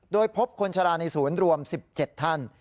โดยพบคนชะลาในศูนย์รวม๑๗ท่าน